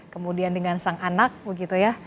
kemudian dengan sang anak begitu ya